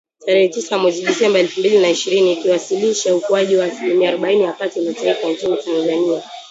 Tarehe tisa mwezi Disemba elfu mbili na ishirini, ikiwasilisha ukuaji wa asilimia arobaini ya pato la taifa nchini Tanzania